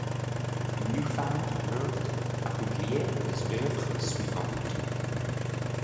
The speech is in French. NewFound Road a publié les œuvres suivantes.